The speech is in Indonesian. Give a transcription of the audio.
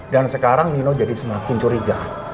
dan sekarang nino jadi semakin curiga